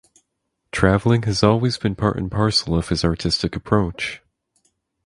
Travelling has always been part and parcel of his artistic approach.